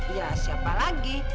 ya siapa lagi